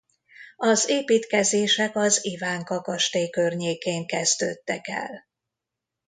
Az építkezések az Ivánka kastély környékén kezdődtek el.